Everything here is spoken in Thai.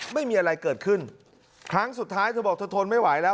ไม่มีอะไรเกิดขึ้นครั้งสุดท้ายเธอบอกเธอทนไม่ไหวแล้ว